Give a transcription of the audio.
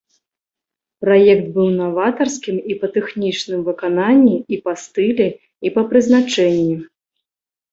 Праект быў наватарскім і па тэхнічным выкананні, і па стылі, і па прызначэнні.